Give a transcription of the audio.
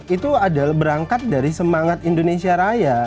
itu adalah berangkat dari semangat indonesia raya